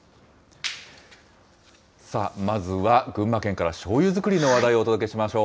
さあ、まずは群馬県から、しょうゆ造りの話題をお届けしましょう。